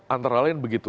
antara lain begitu